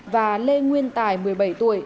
và lê nguyên tài một mươi bảy tuổi